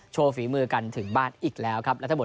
ฝีมือกันถึงบ้านอีกแล้วครับ